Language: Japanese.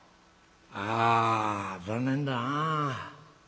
「あ残念だな。